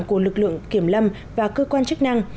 của lực lượng kiểm lâm và cơ quan chức năng